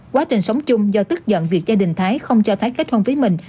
quá trình sống chung do tức giận việc gia đình thái không cho thấy kết hôn với mình